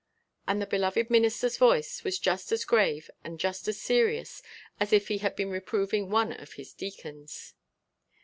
And the beloved "Minister's" voice was just as grave and just as serious as if he had been reproving one of his deacons.